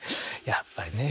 やっぱりね。